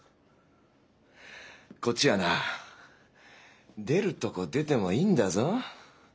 こっちはな出るとこ出てもいいんだぞ。